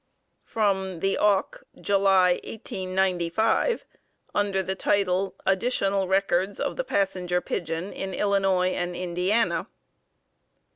From "The Auk," July, 1895, under the title, "Additional Records of the Passenger Pigeon in Illinois and Indiana."